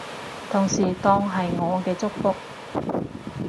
同時當係我嘅祝福